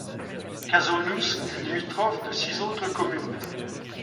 Cazaunous est limitrophe de six autres communes.